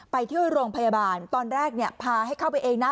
ไปที่โรงพยาบาลตอนแรกเนี่ยพาให้เข้าไปเองนะ